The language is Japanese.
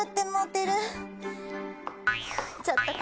ちょっと。